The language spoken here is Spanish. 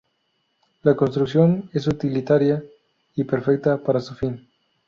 La construcción es utilitaria y perfecta para su fin.